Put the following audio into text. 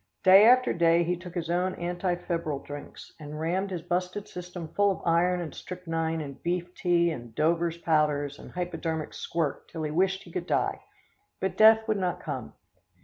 Day after day he took his own anti febrile drinks, and rammed his busted system full of iron and strychnine and beef tea and dover's powders and hypodermic squirt till he wished he could die, but death would not come.